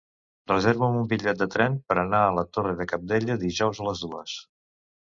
Reserva'm un bitllet de tren per anar a la Torre de Cabdella dijous a les dues.